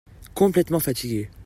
Complètement fatigué.